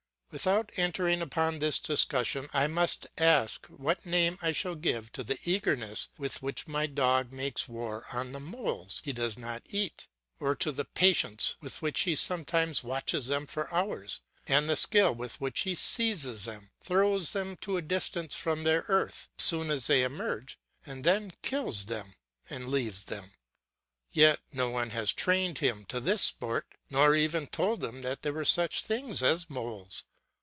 Without entering upon this discussion I must ask what name I shall give to the eagerness with which my dog makes war on the moles he does not eat, or to the patience with which he sometimes watches them for hours and the skill with which he seizes them, throws them to a distance from their earth as soon as they emerge, and then kills them and leaves them. Yet no one has trained him to this sport, nor even told him there were such things as moles.